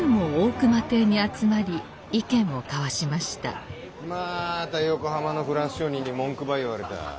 まぁた横浜のフランス商人に文句ば言われた。